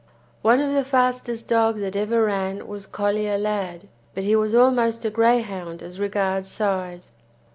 One of the fastest dogs that ever ran was Collier Lad, but he was almost a Greyhound as regards size.